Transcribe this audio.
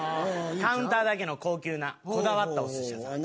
カウンターだけの高級なこだわったお寿司屋さん。